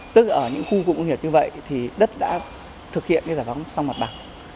tức là ở những khu công nghiệp như vậy đất đã thực hiện giải phóng song mặt bằng